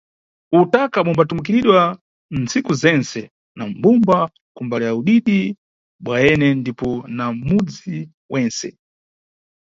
Utaka bumbatumikiridwa nntsiku zentse na mbumba ku mbali ya udidi bwayene ndipo na mudzi wentse.